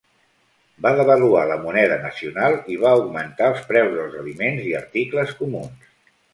Va devaluar la moneda nacional i va augmentar els preus dels aliments i articles comuns.